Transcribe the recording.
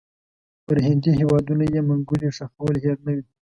پر هندي هیوادونو یې منګولې ښخول هېر نه وي.